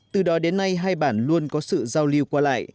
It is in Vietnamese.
từ đó đến nay hai bản luôn có sự giao lưu qua lại